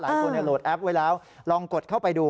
โหลดแอปไว้แล้วลองกดเข้าไปดู